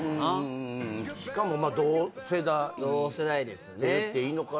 しかも同世代って言っていいのかな。